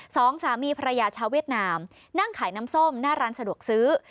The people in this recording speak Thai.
สองสามีภรรยาชาวเวียดนามนั่งขายน้ำส้มหน้าร้านสะดวกซื้อ